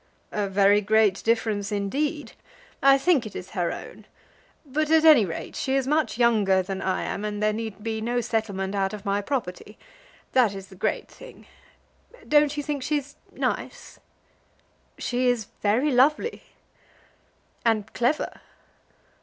"A very great difference indeed. I think it is her own. But, at any rate, she is much younger than I am, and there need be no settlement out of my property. That is the great thing. Don't you think she's nice?" "She is very lovely." "And clever?"